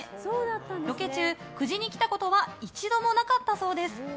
ロケ中、久慈に来たことは一度もなかったそうです。